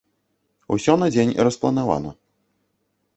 Усё на дзень распланавана.